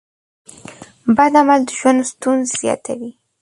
بد عمل د ژوند ستونزې زیاتوي.